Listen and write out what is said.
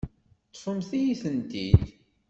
Ṭṭfemt-iyi-ten-id.